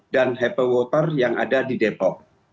dan happy water yang ada di depok